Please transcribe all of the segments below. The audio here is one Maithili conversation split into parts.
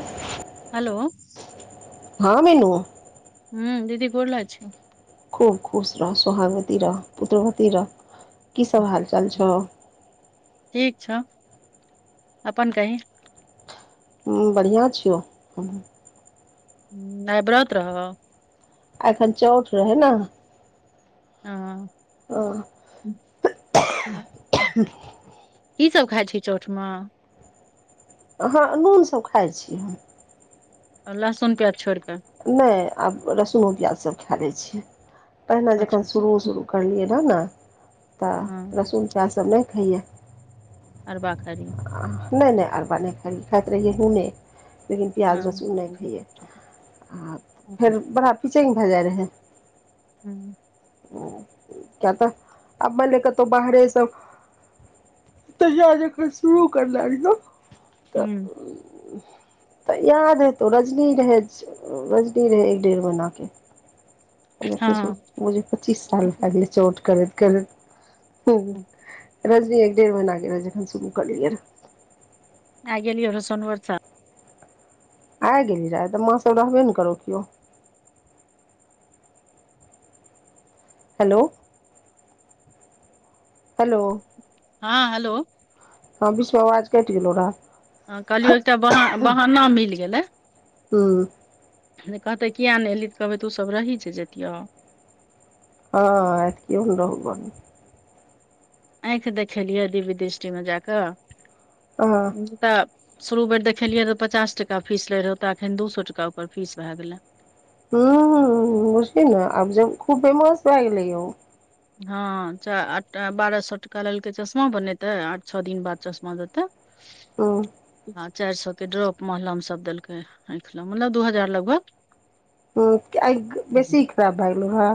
[inaudible] हैलो हँ मीनु हूँ दीदी गोर लागै छिओ खूब खुश रह सोहागवती रह पुत्रवती रह की सब हालचाल छौ ठीक छौ अपन कही बढ़िआँ छिओ ह आय ब्रत रहौ एखन चौठ रहै नऽ हँ की सब खाइ छी चौठ मऽ हँ नूनसभ खाइ छी हम आ लहसुन प्याज छोड़ि कऽ नय आब लहसुनो प्याज सब खा लै छियै पहिने अच्छा जखन से शुरू शुरू प करियै रह ने तऽ हँ लहसुन प्याज सब नहि खइये अरबा खरी नहि नहि अरबा नहि ख खाइत रहियै हुने लेकिन प्याज हँ लहसुन नहि खैये आ फेर हूँ बड़ा पिचंग भए जाय रहे हूँ ह किया तऽ आब भेलै कतौ बाहरेसँ तहिया तखन जे शुरू कर लेल ने तऽ तऽ याद हेतौ रजनी रहै रजनी रहै एक डेढ़ महिना कऽ हँ बुझी पच्चीस साल भए गेले चौठ करैत करैत हू रजनी एक डेढ़ महिना के रहै पेखन शूरू करलियै रहै आय गेलियै रहै सोनवर्षा आइ गेलहि रहै आय तऽ माँ सब रहबे नय करौ कियौ हैलो हैलो हॅ हैलो हँ विच सँ आवाज कटि गेलो रहए हँ कहलियौ एकटा बहान बहाना मिल गेलै हू जे कहतै किएक नहि एलहि तऽ कहबै तू सभ रही छै जैतियौ हँ आय तऽ कियो नऽ रहो घर मऽ आँखि देखेलियै दिव्य दृष्टि मे जा कऽ आहाँ जेतय शुरू बेर देखेलियै रहऽ पचास टाका फीस लैत रहै ओतऽ एखन दू सए टाका ओकर फीस भए गेलै हँ बुझीनऽ आब जब खूब बदमासभागलै इहो हँ बारह सए टका लेलकै चश्मा बनेते और छओ दिन बाद चश्मा देते [inaudible] हू आ चारि सए के ड्रॉप महलम सब देलकै आँखल मतलब दू हजार लगभग हू एँख बेसी खराब भए गेलो हँ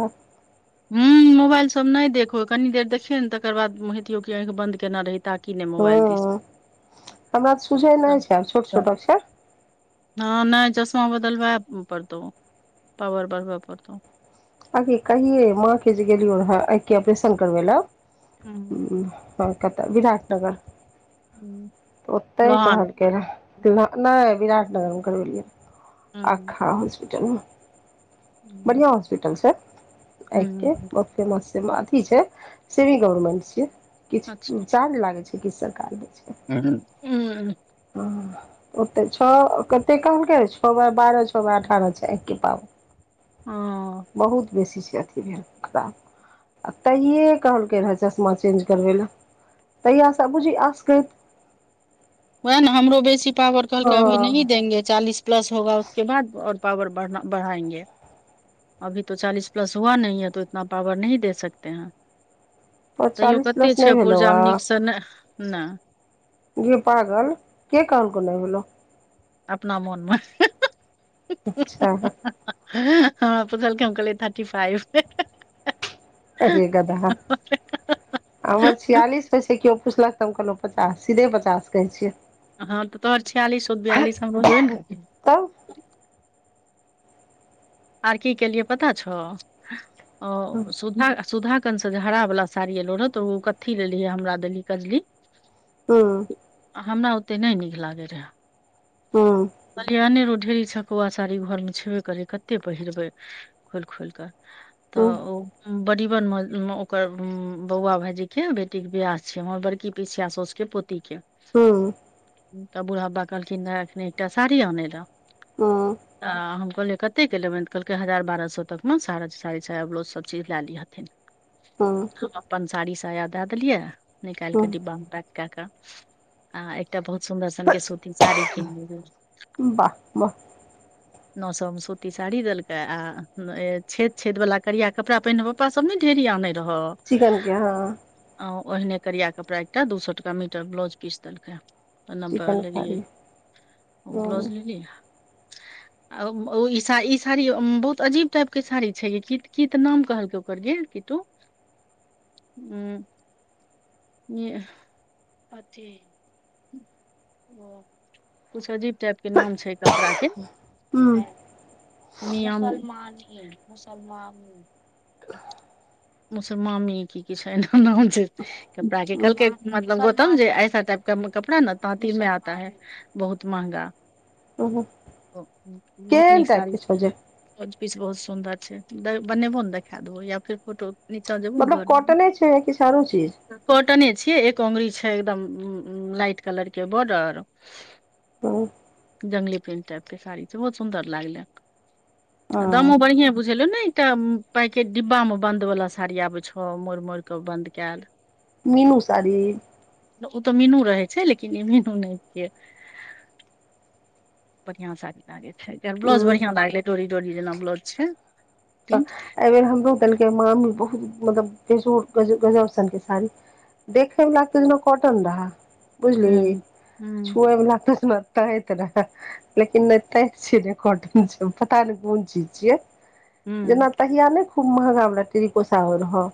हू मोबाइल सब नहि देखहो कनी देर देखियौ ने तकर बाद हेतियौ की आँखि बंन्द केना रहित हूंम्म हमरा तऽ सुझै नहि छै आब छोट छोट अक्षर हँ नहि चश्मा बदलबै पड़तौ पावर बढ़बऽ पड़तौ आगे कहियै माँ के जे गेलियौ रेहै आँख के ऑपरेशन करबै ला हूं हूंम्म कलकाता विराटनगर तऽ ओतै लोहान कहलकै के रहै तऽ नहि विराटनगरमे करबेलियै रहै हूं अखा हॉस्पिटलमे बढ़ियाँ हॉस्पिटल छै आँखि हूं के अथि छै सेमी गवर्मेंट छै किछ अच्छा चार्ज लागै छै तऽ किछ सरकार दै छै हूंम्म हँ ओते छौ कत्ते कहलकै छौ बाय बारह छौ बाय अठारह छै आँखिके पावर हँ बहुत बेसी छै अथी भेल खराब आ तहिये कहलकै रहे चश्मा चेंज करबै लै तहियास बूझही आसकैत वएह ने हमरो बेसी पावर कहलकै हँ [unintelligible] [unintelligible] [unintelligible] तैयो चालीस कत्ते प्लस नहि छै भेलौ पुजामे हे नीकसँ नैह नै गे पागल के कहलकौ नहि भेलो अपना मोनमे अच्छा हमरा पुछलकै हम कहलियै थट्टी फाइव अगे गदहा हमर छियालिस पर छै केओ पुछलक तऽ हम कहलौं पचास सीधे पचास कहै छियै हँ तऽ तोहर छियालिस छौ तऽ बियालिस हमरो हैबे ने करतै तब आर की केलियै पता छौ सुधा सुधा कन से जे हरा बला साड़ी एलौ रहै तऽ ओ कत्थी लेलहीे हमरा देलही कजली हँ आ हमरा ओते नहि नीक लागे रहे हूँ बलिहाने रहौ ढेरी छै पौआ साड़ी घरमे छेबे करै कत्ते पहिरबै खोलि खोलिकऽ तऽ हूँ ओ बड़ीबन मे ओकर बौआ भायजी के बेटी के बियाह छियै हमर बड़की पीसिया साउस के पोति के हूंम्म तऽ बूढ़ाबा कहलखिन एखनी एकटा साड़ी आनै लऽ हूंम्म तऽ हम कहलियै कतेक के लेबनि तऽ कहलकै हजार बारह सए तकमे सारा साड़ी साया ब्लाउज सभचीज लै लिहथिन [inaudible] हँ तू अपन साड़ी साया दै देलियै निकालिक हूँ डिब्बा मे पैक के कऽ आ एकटा बहुत सुन्दर सनके सूती साड़ी कीन लेलियै वाह वाह नौ सौ मे सूती साड़ी देलकै आ छेद छेद वला करिया कपड़ा पहिने पप्पा सब नै ढेरी आनै रहौ चिकन के हँ आ ओहिने करिया कपड़ा एकटा दू सौ टका मीटर ब्लाउज पीस देलकै नम्बा चिकन कारी लेलियै हूँ ब्लौज लेली आ ई साड़ी साड़ी बहुत अजीब टाइप के साड़ी छै कीत कीत नाम कहलकै ओकर आ गे नि [unintelligible] [inaudible] कुछ अजीब टाइप के नाम छै कपड़ा के हूँ मियमानी मुसलमाझी मुसलमामी मुसर मामी की किछ एना नाम छै दाई क हूँ कहलके मतलब ओत ऐसा टाइप क कपड़ा न ताँति ज मे आता है बहुत महगा हूँ [inaudible] केहन टाइप के छौजे बेलॉज पीस बहुत सुन्दर छै बनेबो ने देखा देबो या फिर फोटो नीचा जेबो ने मतलब घर मे, कॉटने छिए किछ और चीज कॉटने छियै एक अंगुरी छै एकदम लाइट कलर के बॉर्डर हूँ जंगली पेंट टाइप के साड़ी छै बहुत सुन्दर लागलै आ हूँ दामो बढ़िए बुझेलो ने एकटा पैकेट डिब्बा मे बंद वाला साड़ी आब छौ मोड़ मोड़ के बंद कयल [inaudible] मीनू साड़ी ओ तऽ मीनू रहै छै लेकिन ई मीनू नहि छियै बढ़ियां साड़ी लागे छै ब्लाउज हूँ बढ़िया लागलै डोरी डोरी जेना ब्लाउज छै तऽ प्रिंट एहि बेेर हमरो देलकै मामी बहुत मतलब बेजोर गजब गजब सन साड़ी देखेमे लागत छै जेना कोटन रहा बुझलि हूँ हूँ हूँ छुए बला लागत जेना तैत रह लेकिन नहि तेत छीय पता नहि कॉटन छिए बता न कौन चीज छियै जेना हूँ तहिया ने खूब महंगा बला टेरिकोसा हो रहै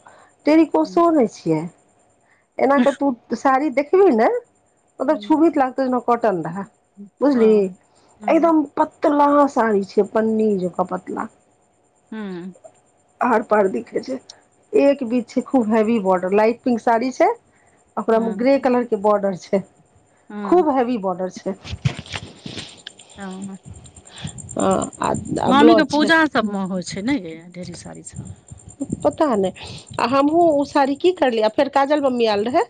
टेरिकोसो ने छिये एना तऽ तू साड़ी देखबी ने ओकरा छुबही त लागतै जेना कोटन रेहै बुझली हँ हूँ एकदम पतला साड़ी छै पन्नी जोका पतला [unintelligible] आर पड़ दिेख छै एक बीच छै खूब हरी बॉर्डर लाट टिग साड़ी छै ओकरा में हँ ग्रे कलर के बॉर्डर छै हँ खूब हेवी बॉर्डर छै [unintelligible] [unintelligible] [unintelligible] आ आ मामीे के ब्लाउज छै पूजा सबमे होइ छै ना ए ढेरी साड़ी सब पता नहि आ हमहुँ ओ साड़ी की करलियै आ फेर काजल मम्मी आयल रहै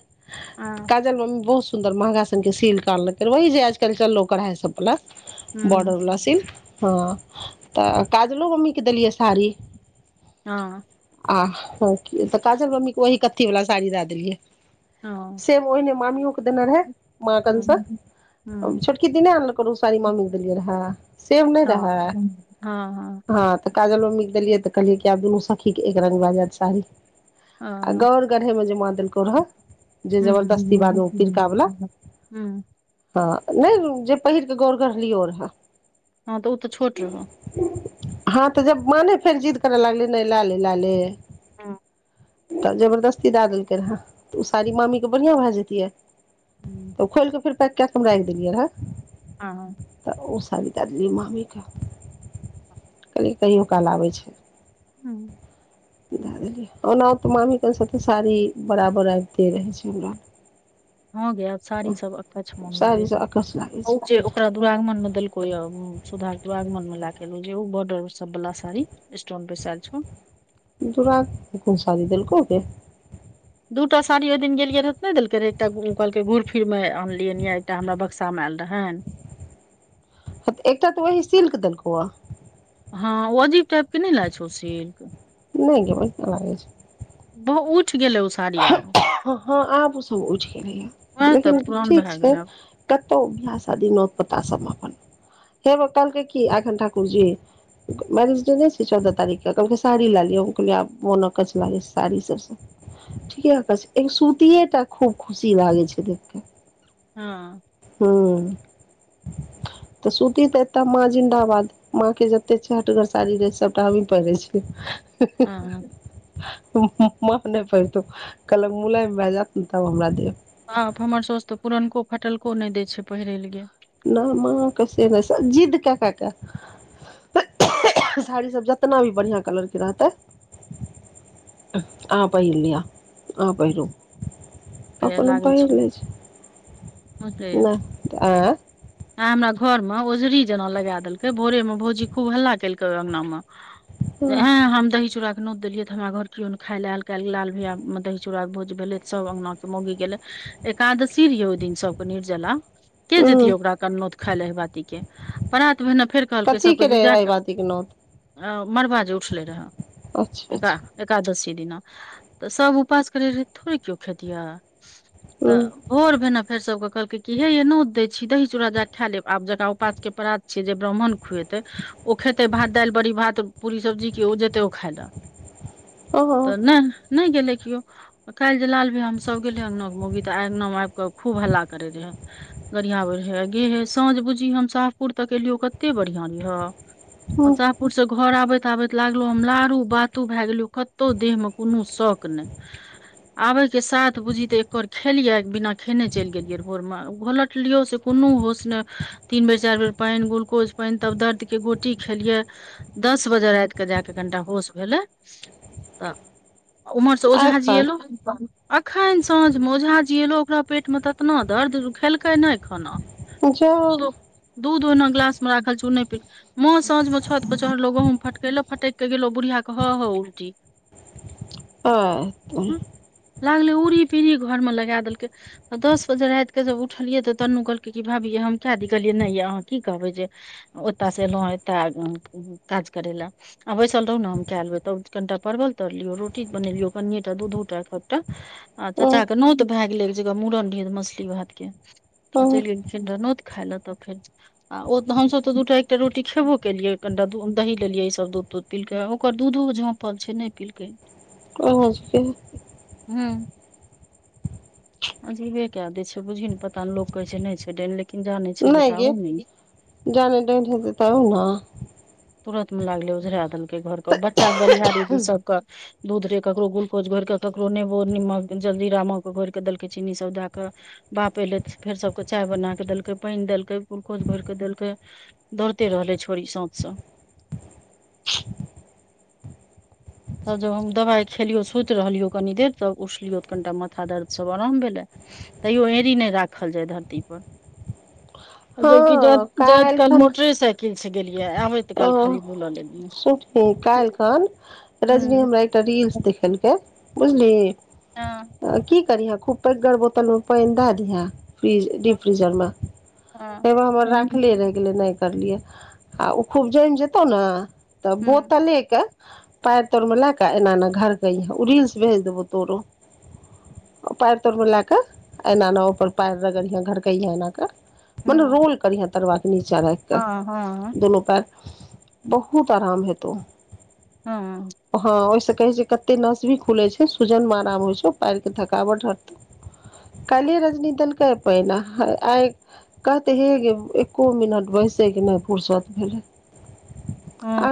हँ काजल मम्मी बहुत सुन्दर महंगा से सील्क अनलकै वही जे आजकल चललो कढ़ाई सब वला बॉर्डर हूँ वला सिल्क हँ तऽ काजलो मम्मी के देलियै साड़ी हँ आ काजल मम्मी के वही कथी वला साड़ी द देलियै हँ सेम ओहिने मामीयों के देने रहे माँ हूँ कनसा हूँ हँ छोटकी दीदी ने आनलकै साड़ी मम्मी के देलियै रहे [unintelligible] हँ तऽ काजल मम्मीे देलियै तऽ कहलियै कि आब दुनू सखी के एक रंग भ जाइत साड़ी आ हँ गौर गढ़हे मे जे माँ देलकौ रहैऽ जे जबरदस्ती बाद मे पिरका बला [inaudible] हूँ हँ न जे पहिरके गौर गलियो रेहा हँ तऽ ओ तऽ छोट रहौ हँ तऽ जब माँ ने फेर जिद करै लागलै नहि लै ले लै ले हूँ तऽ जबरदस्ती दए देलकै रहए तऽ ओ साड़ी मामीके बढ़िआँ भए जैतियै तऽ ओ खोलि कऽ फेर पैक कए कऽ हम राखि देलियै रहै [unintelligible] तऽ ओ साड़ी दैय देलियै मामीकेँ कहलियै कहियो काल आबै छै हूँ दए देलियै ओना ओ तऽ मामीे के सँ तऽ साड़ी बराबर आबिते रहै छै हमरा हँ गैय आब साड़ी सब अकछ मन लागे साड़ीसँ छै अकछ लागै उ छै जे तोरा दुरागमन मे देलको या सुधा दुरागमन मऽ लए के जे उ बॉर्डर सब बला साड़ी स्टोन बैसाइल छौ दुरागमन मे कोन साड़ी देलकौ गे दू टा साड़ी ओहि दिन गेलियै रहै तऽ नहि देलक रहै एकटा ओ कहलकै घूर फिरमे आनलियै ये एकटा हमरा बक्सामे आयल रहैन ह एकटा तऽ वहि सिल्क देलको अ हँ ओ अजीब टाइपकेँ नहि लायै छौ ओ सिल्क नहि गे बढ़िया लागै छै बहु उठ गेलै ओस हँ आब ओसभ उठि गेलैय वएह तऽ लेकिन पुरान ठीक भए छै गेलै कतौ बियाह सादी नोत पता सब अपन हेव कहलके की एखन ठाकुर जी मैरिजडे नहि छै चौदह तारीखके कलक साड़ी ला लियो कहलिये आब मोन अकछ लागे छै साड़ी सब सऽ ठीके अगछ एगो सुतिये टा खूब खुशी लागे छै देखकऽ हँ हुँ [inaudible] तऽ सुती एतऽ माँ जिन्दाबाद माँके जतेक छ चहटगर साड़ी रहै सभटा हमही पहिरे छियै हँ हँ माँ नहि पहिरतो कहलक मुलायम भए जाइत नऽ तब हमरा देब आब हमर साउस तऽ पुरनको फटलको नहि दैय छै पहिरै लऽ गे नै माँ कऽ से नहि से जिद्द केँ कै कऽ साड़ीसभ जेतना भी बढ़िआँ कलरके रहतै आहाँ पहिरलियऽ आहाँ पहिरू के आपन हम लागे छै पहिर लै छी नहि आँय [unintelligible] आ हमरा घर मऽ औझरी जेना लगाय देलकै भोरे मऽ भौजी खूब हल्ला केलकै ओय अंगना मऽ एय हम दही चूड़ा नोत देलियै तऽ हमरा घर केओ खाइ लए आएल काल्हि लाल भैयामे दही चूड़ाके भोज भेलै तऽ सभ अंगना सँ मौगी गेलै एकादशी रहिये ओहि दिन सब कऽ निर्जला के हूँ जेतियै ओकरा कन खाय ल एहि बातीकेँ परात भेने फेर कहलकै कथी सबकेँ के जे रहे जाउ एहि बातीकेँ नौत अ मड़बा जे उठलै रहऽ अच्छा एका अच्छा एकादशी दिना तऽ सभ उपास करैत रहै थोड़ि केओ खेतियै तऽ हूँ भोर भेनअ फेर सब कऽ कहलकै कि हे ये नोत दै छी दही चूरा जा क खा लेब आब जकरा उपास के परात छैयै जे ब्राह्महण खुवेते ओ खेतै भात दालि बड़ी भात पूरी सब्जीकेँ ओ जेतै ओ खाय लऽ हँ त नैय नहि गेले केओ काल्हि जे लालभैया हम सब गेले अंगनके मौगी त अगना गना मे आबि कऽ खूब हल्ला करे रहै गढ़ियाबै रहे गेहे साँझ बुझी हम साहपुर तक एलियौ कते बढ़ियां रहियो हूँ अच्छा पुर से घर आबैत आबैत लागलो हम लारू बातो भए गेलिय कतहु देह मे कोनो शौक नहि आबे के साथ बुझी तऽ एककर खेलिय एक बिना खेने चलि गेलियै भोर मे घोलट लियो से कोनो होश नऽ तीन बेर चारि बेर पानि ग्लुकोज पानि तब दर्दके गोटी खेलियै दस बजे रात क जा कऽ कनिटा होश भेलै तऽ उम्हरसँ ओझाजी एखन एलऊ अखन साँझमे ओझाजी एलऊ ओकरा पेटमे एतना दर्द खेलकै नय खाना जा दूध ओहिना गिलास मे राखल छै ओ नय पिलकै माँ साँझ में छत पर चढ़लो गहुँम फटकैले फटक के गेलहु बुढ़ियिया के ह ह उल्टी अ तऽ लागलै ऊढ़ी पीढ़ी घर मे लगा देलकै दस बजे रात क जब उठलियै तऽ तनू कहलकै कि भाभी हम कै दी कहलियै नय य अहाँ की कहबै जे ओतयसँ एलहुँ एतय काज करय लए आ बैसल रहु ने हम कए लेबै तब कनिटा परवल तरलियौ रोटी बनेलियो कनिए टा दू दू टाटा [inaudible] आ हूँ चाचा के नोत भए गेलै एक जगह मूड़न भेल मछली भात के ओ हूँ चेल गेलखिन रह नोत खायइ ल तऽ फेर आ ओऽ हमसभ तऽ दू टा एकटा रोटी खेबो केलियै कनिटा दू दही लेलियै ईसभ दूध दूध पीलकै ओकर दूधो झफल छै नय पीलकै ओझा जी के हूँ अजीबे कै दे छै बुझी ने पता लोक कहे छै नय छै डायन लेकिन जाने छै नहि गे किताबो ने जाने दैत हेतै तय ओहना तुरन्त मे लागलै उझरा देलकै घरके ओ बच्चा बलिहारी सबकऽ दूध रे ककरो ग्लुकोज घोरि कऽ ककरो नेबो निमक जल्दीरामक घोरि कऽ देलकै चीनीसभ दए कऽ बाप एलै तऽ फेर सभके चाय बना कऽ देलकै पानि देलकै गुलकोच घोरि कऽ देलकै दौड़ते रहलै छोड़ी सौझसँ तब जब हम दबाइ खेलियौ सुति रहलियौ कनि देर तब उठलियौ तऽ कनिटा मथा दर्दसभ आराम भेलै तैयो एड़ी नय राखल जाय धरती पर जबकि जा हँ जाइत काल्हि काल मोटरेसइकिल से गेलियै आबैत अ काल खाली बुलऽ लेलियै छोटकी कालखान रजनी हूँ हमरा एकटा रील्स देखेलकै बुझली हँ की करिहे खूब पैगर बोतल मे पाईन दए दिहा फ्रीज डी फ्रीजरमे हँ फ पायनो हमर हूँ राखले रहि गेलै नय करलियै आ ओ खूब जमि जेतहु ने तऽ बोतलेके पैर तोर मे लए क एना एना घरकैय ओ रीलस भेज देबौ तोरो पैर तोर मे लए कऽ एना एना ऊपर पैर रगरिहा घरकह एना क मने हूँ रोल करीहै तरबा क नीचा रईख क हाँ दोनो पैर बहुत आराम हेतौ हँ ओहिसँ कहै छै कतय कते नस भी खुले छै सुजन मे आराम होइ छै पैर के थकावट हटतो काइले रजनी देलकै पाइन अ ह आय कहतै हे गै एको मिनट बैसे के नै फुरसत भेलै हँ